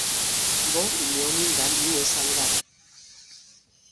M̀mbɔ̌k ì myɔ̀ɔ mi ŋgǎn ǐ wɛsa ŋgân.